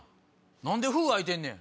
何で封開いてんねん。